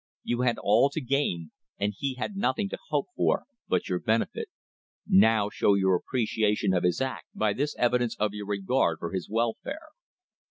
You had all to gain, and he had nothing to hope for but your benefit. Now show your appreciation of his acts by this evidence of your regard for his welfare."